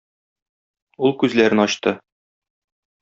Ул күзләрен ачты.